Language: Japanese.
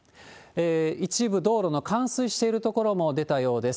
一部道路の冠水している所も出たようです。